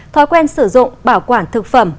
thói quen sử dụng bảo quản thực phẩm